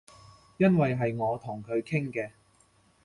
因爲係我同佢傾嘅